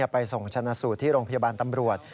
ไปส่งชนะสูตรที่โรงพยาบาลตำรวจ